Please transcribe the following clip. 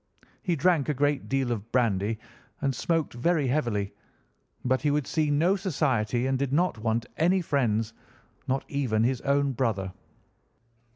He drank a great deal of brandy and smoked very heavily, but he would see no society and did not want any friends, not even his own brother.